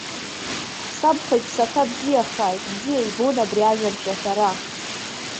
Сабхәа иԥсаҭа бзиахааит, бзиа ибон абри ажәабжь аҳәара.